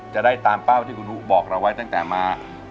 จะได้ตามเป้าที่คุณอุ๊บอกเราไว้ตั้งแต่มา